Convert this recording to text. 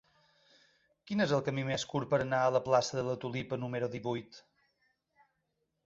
Quin és el camí més curt per anar a la plaça de la Tulipa número divuit?